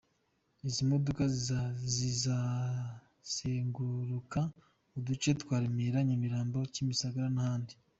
Izi modoka zizazenguruka uduce twa Remera, Nyamirambo, Kimisagara n’ahandi.